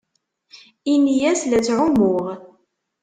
Ini-as la ttɛumuɣ.